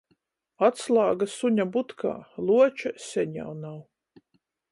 Atslāga suņa butkā, Luoča seņ jau nav.